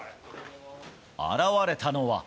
現れたのは。